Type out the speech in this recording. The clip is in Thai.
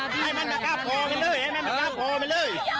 ถ้ามันเป็นข้องพอไปเลย